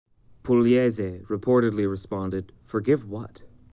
Pugliese reportedly responded, Forgive what?